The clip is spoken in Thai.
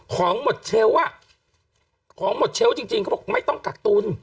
ของหมดเชลล์อ่ะของหมดเชลล์จริงเขาบอกไม่ต้องกักตุล